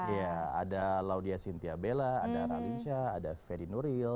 ya ada laudia sintiabella ada ralinsya ada fedy nuril